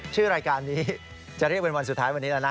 ชื่อรายการนี้จะเรียกเป็นวันสุดท้ายวันนี้แล้วนะ